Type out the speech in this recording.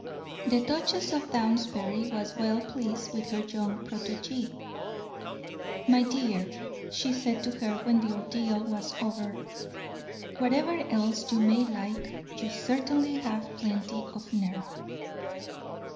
The Duchess of Downsbury was well pleased with her young protegee. "My dear," she, said to her, when the ordeal was over, "whatever else you may lack, you certainly have plenty of nerve."